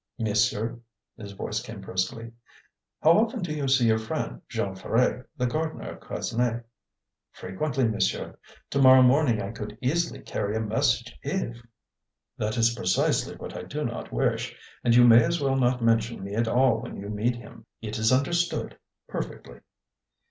"Monsieur?" his voice came briskly. "How often do you see your friend, Jean Ferret, the gardener of Quesnay?" "Frequently, monsieur. To morrow morning I could easily carry a message if " "That is precisely what I do not wish. And you may as well not mention me at all when you meet him." "It is understood. Perfectly."